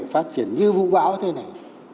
phát triển như vũ bão thế này